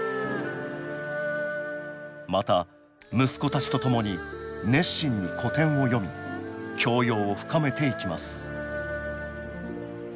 また息子たちとともに熱心に古典を読み教養を深めていきます